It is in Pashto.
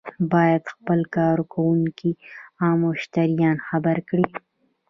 باید خپل کارکوونکي او مشتریان خبر کړي.